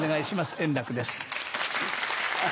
円楽です。